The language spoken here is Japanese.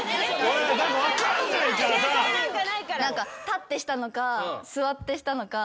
立ってしたのか座ってしたのか。